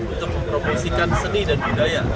untuk mempromosikan seni dan budaya